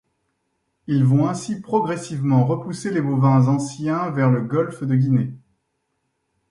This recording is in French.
Ils vont ainsi progressivement repousser les bovins anciens vers le Golfe de Guinée.